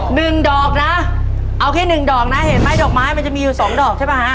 หนึ่งดอกนะเอาแค่หนึ่งดอกนะเห็นไหมดอกไม้มันจะมีอยู่สองดอกใช่ป่ะฮะ